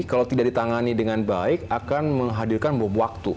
kalau tidak ditangani dengan baik akan menghadirkan bom waktu